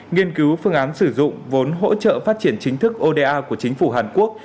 nghiên cứu phương án sử dụng vốn hỗ trợ phát triển chính thức oda của chính phủ hàn quốc